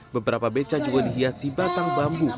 beberapa beca juga dihiasi batang bambu